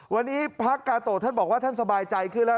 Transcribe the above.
วันนี้พระกาโตะท่านบอกว่าท่านสบายใจขึ้นแล้ว